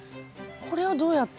これはどうやって？